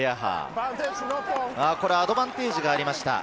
アドバンテージがありました。